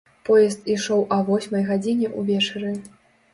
Поезд ішоў а восьмай гадзіне ўвечары.